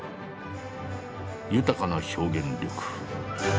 豊かな表現力。